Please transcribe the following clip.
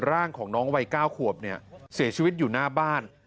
ร่างของน้องวัย๙ขวบเนี่ยเสียชีวิตอยู่หน้าบ้าน